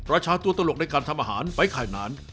ราชาตัวตลกในการทำอาหารไปไข่นาน